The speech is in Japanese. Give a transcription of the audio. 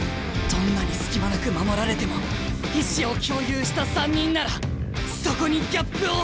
どんなに隙間なく守られても意思を共有した３人ならそこにギャップを生む！